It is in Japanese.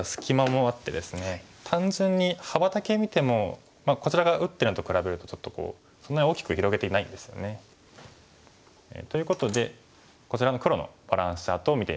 単純に幅だけ見てもこちら側打ってるのと比べるとちょっとこうそんなに大きく広げていないんですよね。ということでこちらの黒のバランスチャートを見てみましょう。